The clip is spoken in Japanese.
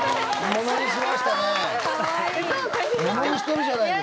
ものにしてるじゃないですか。